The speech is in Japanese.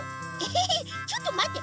えっちょっとまって。